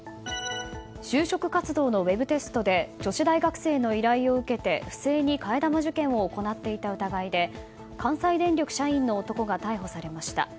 就職活動のウェブテストで女子大学生の依頼を受けて不正に替え玉受験を行っていた疑いで関西電力社員の男が逮捕されました。